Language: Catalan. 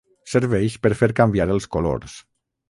Serveix per fer canviar els colors.